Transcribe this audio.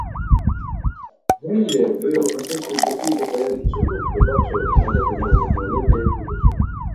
Грылі быў адным з нешматлікіх ваенных чыноў, хто бачыў за гэтай новай тэхналогіяй будучыню.